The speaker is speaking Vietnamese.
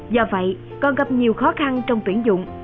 do vậy còn gặp nhiều khó khăn trong tuyển dụng